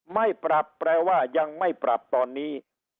ไม่ปรับแปลว่ายังไม่ปรับตอนนี้